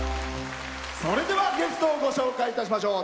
それではゲストをご紹介いたしましょう。